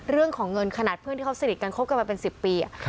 เรื่องของเงินขนาดเพื่อนที่เขาสนิทกันคบกันมาเป็น๑๐ปี